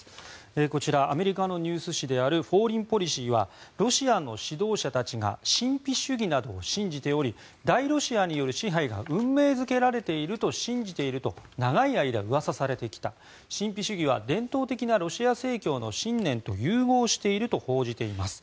こちらアメリカのニュース誌である「フォーリン・ポリシー」はロシアの指導者たちが神秘主義などを信じており大ロシアによる支配が運命付けられていると信じていると長い間うわさされてきた神秘主義は伝統的なロシア正教の信念と融合していると報じています。